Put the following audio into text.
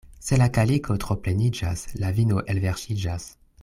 Se la kaliko tro pleniĝas, la vino elverŝiĝas.